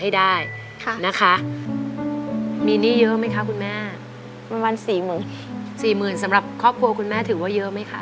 หมื่นสำหรับครอบครัวคุณแม่ถือว่าเยอะไหมคะ